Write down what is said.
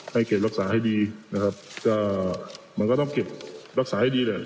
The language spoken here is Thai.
ให้เก็บรักษาให้ดีนะครับก็มันก็ต้องเก็บรักษาให้ดีแหละ